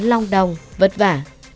lòng đồng vất vả